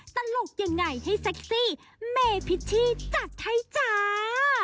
ตลกยังไงให้เซ็กซี่เมพิชชี่จัดให้จ้า